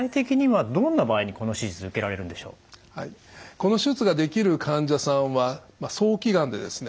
この手術ができる患者さんは早期がんでですね